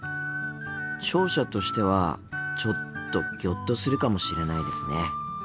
聴者としてはちょっとギョッとするかもしれないですね。